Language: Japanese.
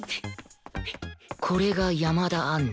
これが山田杏奈